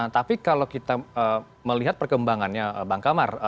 tapi kalau kita melihat perkembangannya bang kamar